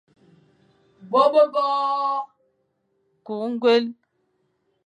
Kü ñgwel.